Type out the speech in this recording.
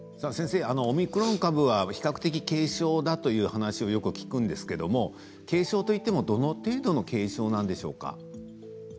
オミクロン株は比較的軽症だという話をよく聞くんですけど軽症といってもどの程度の軽症なんでしょうか。